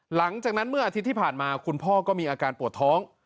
หลังจากนั้นเมื่ออาทิตย์ที่ผ่านมาคุณพ่อก็มีอาการปวดท้อง